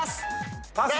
パス！